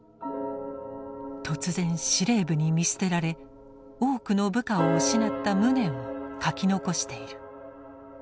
突然司令部に見捨てられ多くの部下を失った無念を書き残している。